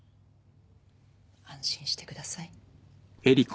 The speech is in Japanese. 安心してください。